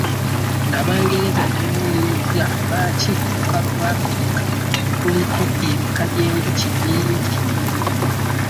Abangereza beewuunyizza lwaki olukalu lw' Africa kuliko ebika by'enjuki bingi?